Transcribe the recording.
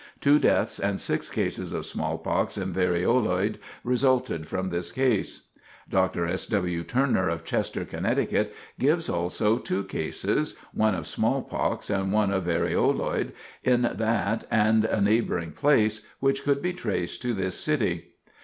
Two deaths and six cases of smallpox and varioloid resulted from this case. Dr. S. W. Turner, of Chester, Connecticut, gives also two cases, one of smallpox and one of varioloid, in that and a neighboring place, which could be traced to this city.